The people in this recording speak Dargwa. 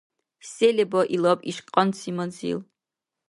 Се леба илаб иш кьанси манзил?